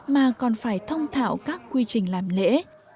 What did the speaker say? mà còn phải thông thạo các quy trình làm lễ